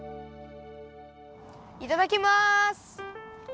いただきます！